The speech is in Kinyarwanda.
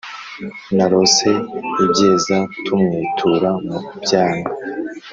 narose ibyeza tumwitura mu byano